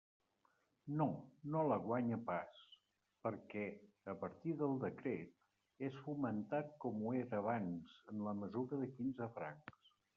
No, no la guanya pas; perquè, a partir del decret, és fomentat com ho era abans, en la mesura de quinze francs.